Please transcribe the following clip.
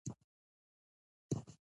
غوا د چرګانو سره دوستانه ژوند کوي.